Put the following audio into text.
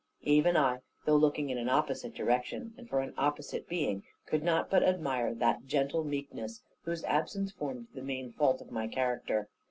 Even I, though looking in an opposite direction, and for an opposite being, could not but admire that gentle meekness, whose absence formed the main fault of my character.